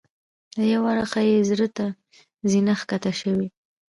له یوه اړخه یې زړه ته زینه ښکته شوې.